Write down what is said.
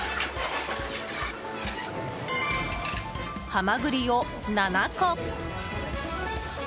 ハマグリを７個。